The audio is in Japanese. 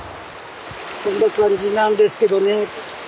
こんな感じなんですけどね。